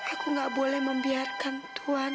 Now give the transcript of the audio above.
aku gak boleh membiarkan tuhan